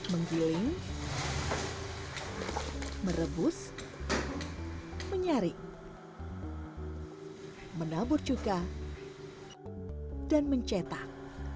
menggiling merebus menyaring menabur cuka dan mencetak